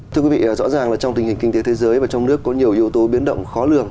thưa quý vị rõ ràng là trong tình hình kinh tế thế giới và trong nước có nhiều yếu tố biến động khó lường